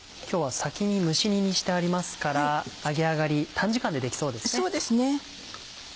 今日は先に蒸し煮にしてありますから揚げ上がり短時間でできそうですね。